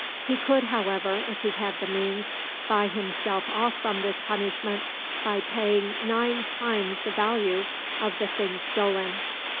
He could, however, if he had the means, buy himself off from this punishment by paying nine times the value of the thing stolen.